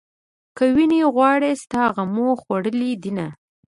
که وينې غواړې ستا غمو خوړلې دينه